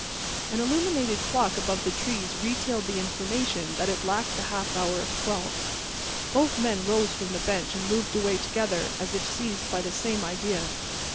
An illuminated clock above the trees retailed the information that it lacked the half hour of twelve. Both men rose from the bench and moved away together as if seized by the same idea.